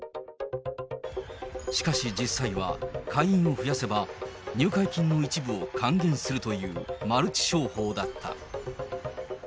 しかし、実際は会員を増やせば、入会金の一部を還元するというマルチ商法だった。